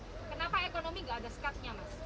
kenapa ekonomi nggak ada sekatnya mas